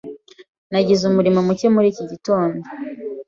Nagize umuriro muke muri iki gitondo.